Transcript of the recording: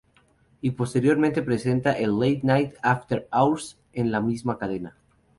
Y posteriormente presenta el late night, "After Hours" en la misma cadena.